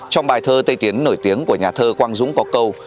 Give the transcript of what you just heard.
trong bài thơ tây tiến nổi tiếng của nhà thơ quang dũng có câu